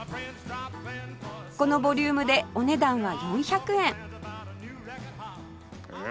このボリュームでお値段は４００円え？